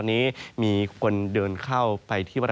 ในแต่ละพื้นที่เดี๋ยวเราไปดูกันนะครับ